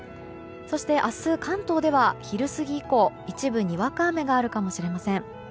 そして明日、関東では昼過ぎ以降一部にわか雨があるかもしれません。